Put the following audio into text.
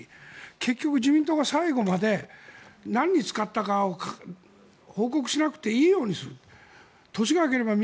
結局、自民党が最後まで何に使ったかを報告しなくていいようにする。